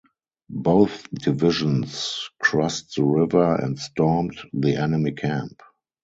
Both divisions crossed the river and stormed the enemy camp.